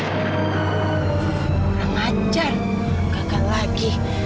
orang ajar gagal lagi